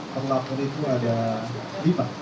terlapor itu ada lima